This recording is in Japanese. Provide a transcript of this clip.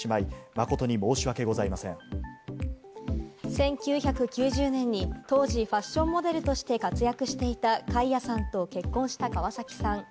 １９９０年に当時、ファッションモデルとして活躍していたカイヤさんと結婚した川崎さん。